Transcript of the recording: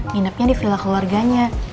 nginepnya di villa keluarganya